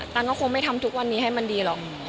ตันก็คงไม่ทำทุกวันนี้ให้มันดีหรอก